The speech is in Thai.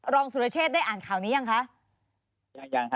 รองสุรเชษฐ์ได้อ่านข่าวนี้หรือยังคะ